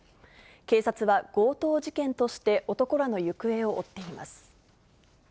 警察は、強盗事件として男らの行方を追っています。